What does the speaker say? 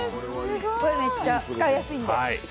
めっちゃ使いやすいんで。